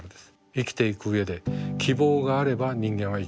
生きていく上で希望があれば人間は生きていける。